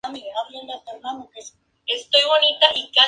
El Lleida Latin-American Film Festival se encuentra alojado en CaixaForum.